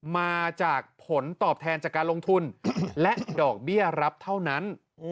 มาจากผลตอบแทนจากการลงทุนและดอกเบี้ยรับเท่านั้น